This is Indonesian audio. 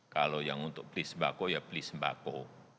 kalau yang untuk beli sembako ya beli sembako